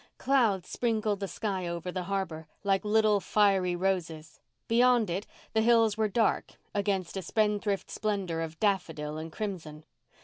Clouds sprinkled the sky over the harbour like little fiery roses. Beyond it the hills were dark against a spendthrift splendour of daffodil and crimson.